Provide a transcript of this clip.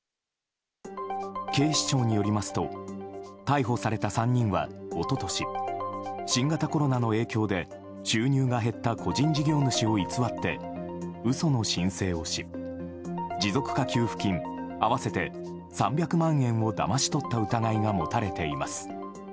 警視庁によりますと逮捕された３人は一昨年新型コロナの影響で収入が減った個人事業主を偽って嘘の申請をし、持続化給付金合わせて３００万円をだまし取った疑いが持たれています。